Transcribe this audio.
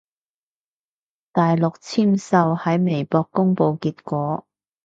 大陸簽售喺微博公佈結果